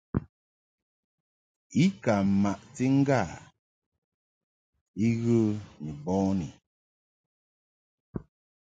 I ka maʼti i ŋgâ I ghə ni bɔni.